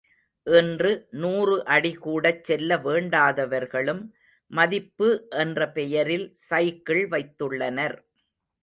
இன்று நூறு அடி கூடச் செல்ல வேண்டாதவர்களும் மதிப்பு என்ற பெயரில் சைக்கிள் வைத்துள்ளனர்.